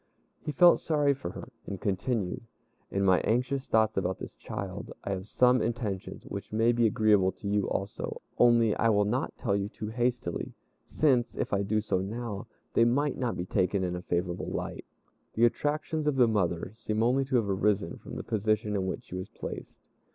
He felt sorry for her, and continued, "In my anxious thoughts about this child, I have some intentions which may be agreeable to you also, only I will not tell you too hastily, since, if I do so now, they might not be taken in a favorable light. The attractions of the mother seem only to have arisen from the position in which she was placed.